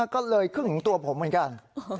ก็เลยครึ่งถึงตัวผมเหมือนกัน